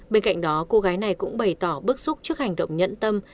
bên cạnh đó cô gái này cũng bày tỏ bức xúc trước hành động nhẫn tâm